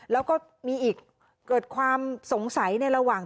แล้วก็มีอีกเกิดความสงสัยในระหว่าง